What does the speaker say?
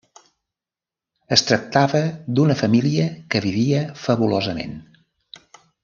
Es tractava d’una família que vivia fabulosament.